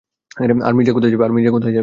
আর মির্জা কোথায় যাবে?